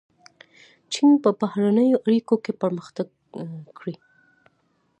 چین په بهرنیو اړیکو کې پرمختګ کړی.